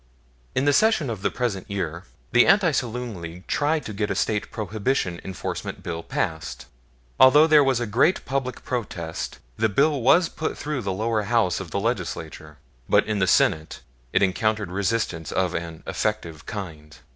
In the session of the present year, the Anti Saloon League tried to get a State Prohibition enforcement bill passed. Although there was a great public protest, the bill was put through the lower House of the Legislature; but in the Senate it encountered resistance of an effective kind.